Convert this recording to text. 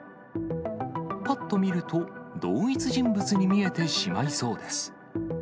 ぱっと見ると、同一人物に見えてしまいそうです。